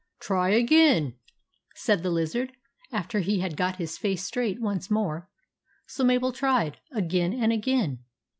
" Try again/' said the lizard, after he had got his face straight once more. So Mabel tried again and again.